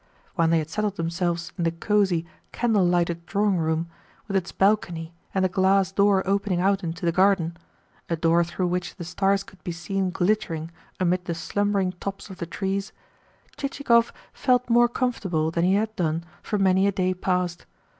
When they had settled themselves in the cosy, candle lighted drawing room, with its balcony and the glass door opening out into the garden a door through which the stars could be seen glittering amid the slumbering tops of the trees Chichikov felt more comfortable than he had done for many a day past.